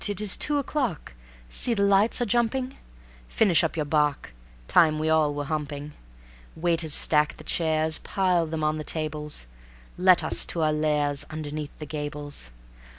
it's two o'clock. See! the lights are jumping. Finish up your bock, Time we all were humping. Waiters stack the chairs, Pile them on the tables; Let us to our lairs Underneath the gables.